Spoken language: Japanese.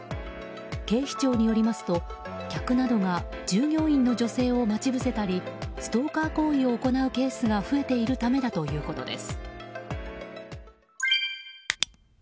警視庁によりますと、客などが従業員の女性を待ち伏せたりストーカー行為を行うケースが増えているためだということです。